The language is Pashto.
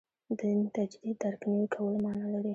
دین تجدید درک نوي کولو معنا لري.